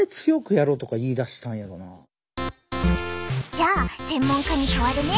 じゃあ専門家に代わるね！